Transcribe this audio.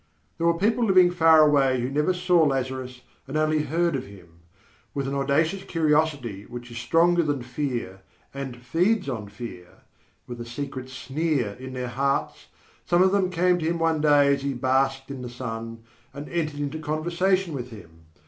There were people living far away who never saw Lazarus and only heard of him. With an audacious curiosity which is stronger than fear and feeds on fear, with a secret sneer in their hearts, some of them came to him one day as he basked in the sun, and entered into conversation with him.